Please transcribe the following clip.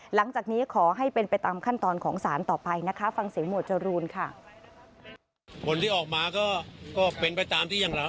หลังจากนี้ขอให้เป็นไปตามขั้นตอนของสารต่อไปนะคะฟังเสียงหมวดจรูนค่ะ